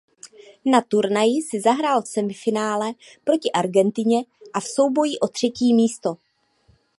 Na turnaji si zahrál v semifinále proti Argentině a v souboji o třetí místo.